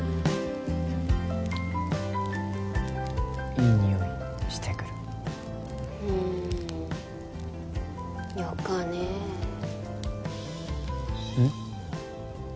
いいにおいしてくるうんよかねうん？